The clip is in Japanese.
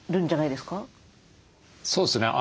そうですね。